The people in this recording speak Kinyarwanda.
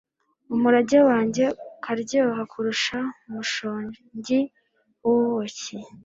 umurage wanjye ukaryoha kurusha umushongi w'ubuki